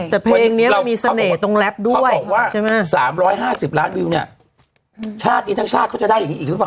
แต่เพลงนี้มันมีเสน่ห์ตรงแรปด้วยเขาบอกว่า๓๕๐ล้านวิวเนี่ยชาติทั้งชาติเขาจะได้อย่างงี้หรือเปล่า